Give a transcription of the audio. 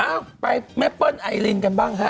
เอ้าไปแม่เปิ้ลไอลินกันบ้างค่ะ